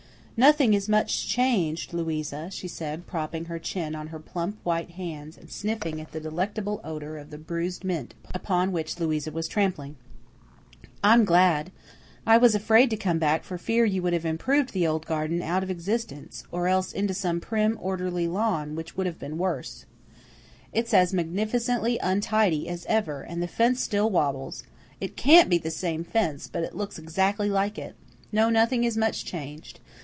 "Nothing is much changed, Louisa," she said, propping her chin on her plump white hands, and sniffing at the delectable odour of the bruised mint upon which Louisa was trampling. "I'm glad; I was afraid to come back for fear you would have improved the old garden out of existence, or else into some prim, orderly lawn, which would have been worse. It's as magnificently untidy as ever, and the fence still wobbles. It CAN'T be the same fence, but it looks exactly like it. No, nothing is much changed.